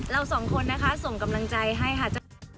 เราสองคนนะคะส่งกำลังใจให้ค่ะ